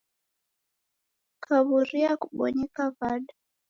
Kaw'uria, kubonyeka w'ada?